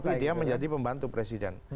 tapi dia menjadi pembantu presiden